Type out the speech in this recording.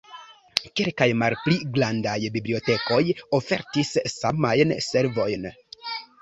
Kelkaj malpli grandaj bibliotekoj ofertis samajn servojn.